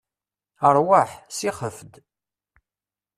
Ṛwaḥ, sixef-d.